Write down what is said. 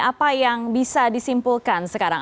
apa yang bisa disimpulkan sekarang